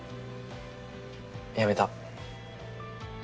やめた。